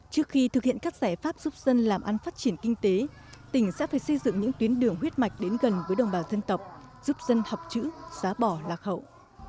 trước khi thực hiện các giải pháp giúp dân làm ăn phát triển kinh tế tỉnh sẽ phải xây dựng những tuyến đường huyết mạch đến gần với đồng bào dân tộc giúp dân học chữ xóa bỏ lạc hậu